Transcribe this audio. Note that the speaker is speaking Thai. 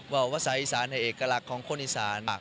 ว่าภาษาอีสานให้เอกลักษณ์ของคนอีสานมาก